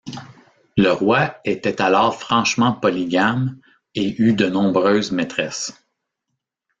Le roi était alors franchement polygame et eut de nombreuses maîtresses.